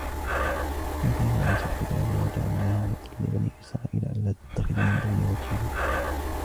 وآتينا موسى الكتاب وجعلناه هدى لبني إسرائيل ألا تتخذوا من دوني وكيلا